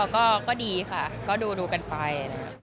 ก็ดีค่ะก็ดูกันไป